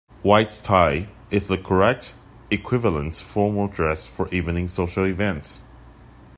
White tie is the correct, equivalent formal dress for evening social events.